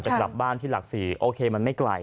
กลับบ้านที่หลักศรีโอเคมันไม่ไกล